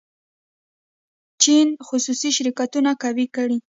چین خصوصي شرکتونه قوي کړي.